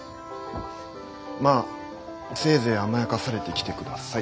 まあせいぜい甘やかされてきてください。